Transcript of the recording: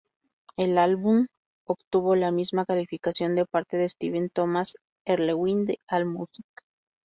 El álbum obtuvo la misma calificación de parte de Stephen Thomas Erlewine de Allmusic.